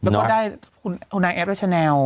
แล้วก็ได้ขุนายแอฟและแชนแนล